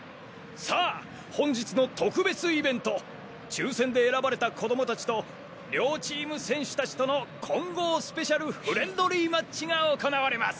さあ本日の特別イベント抽選で選ばれた子供達と両チーム選手達との混合スペシャルフレンドリーマッチが行われます。